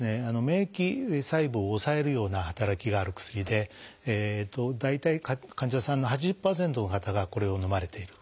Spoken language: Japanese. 免疫細胞を抑えるような働きがある薬で大体患者さんの８０％の方がこれをのまれている。